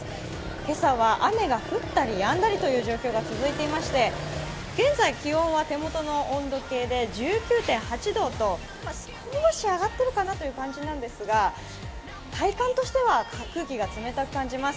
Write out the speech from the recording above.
今朝は雨が降ったりやんだりという状況が続いていまして現在気温は手元の温度計で１９．８度と少し上がっているかなという感じなんですが体感としては空気が冷たく感じます。